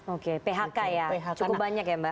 oke phk ya cukup banyak ya mbak